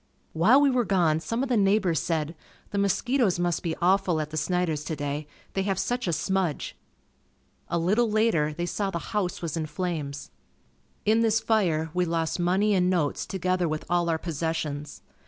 While we were gone some of the neighbors said, "The mosquitoes must be awful at the Snider's today they have such a smudge." A little later, they saw the house was in flames. In this fire, we lost money and notes together with all our possessions.